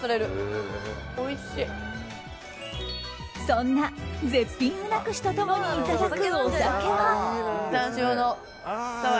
そんな絶品うな串と共にいただくお酒は。